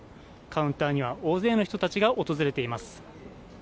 カウンターには大勢の人たちが訪れています。